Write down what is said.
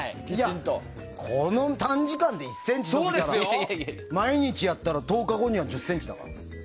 この短時間で１ｃｍ伸びたら毎日やったら１０日後には１０ｃｍだから。